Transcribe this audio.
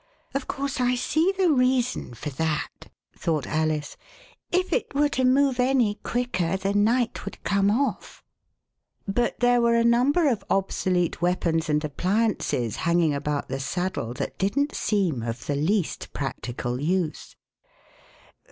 " Of course, I see the reason for that," thought Alice; "if it were to move any quicker the Knight would come off" But there were Alice in Pall Mall a number of obsolete weapons and appliances hanging about the saddle that didn't seem of the least practical use.